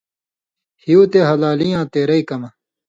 ہیُو تے ہلالیں یاں تېرئ کمہۡ